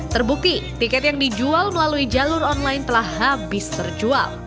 terbukti tiket yang dijual melalui jalur online telah habis terjual